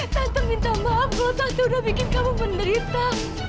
tante minta maaf kalau tante udah bikin kamu menderita